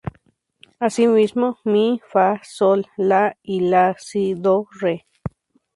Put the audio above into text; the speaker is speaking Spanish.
Asimismo "mi-fa-sol-la y "la-si-do-re".